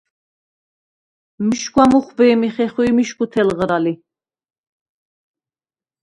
მიშგვა მუხვბე̄მი ხეხვი მიშგუ თელღრა ლი.